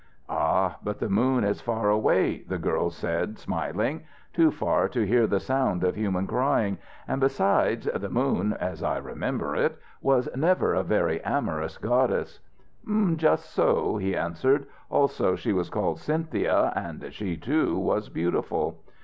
"Ah, but the moon is far away," the girl said, smiling "too far to hear the sound of human crying: and besides, the moon, as I remember it, was never a very amorous goddess " "Just so," he answered: "also she was called Cynthia, and she, too, was beautiful."